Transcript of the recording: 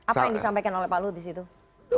apa yang disampaikan oleh pak luhut disitu